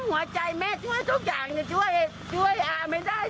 หัวใจแม่ช่วยทุกอย่างช่วยอาไม่ได้